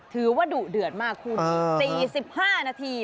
ถือว่าดุเดือดมากคุณ๔๕นาที